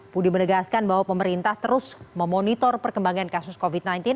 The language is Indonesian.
budi menegaskan bahwa pemerintah terus memonitor perkembangan kasus covid sembilan belas